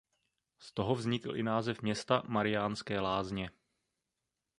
Z toho vznikl i název města Mariánské Lázně.